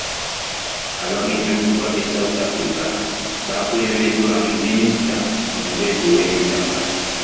Abagenyi okuva e South Africa baakulembeddwamu Minisita omubeezi ow'eby'ettaka.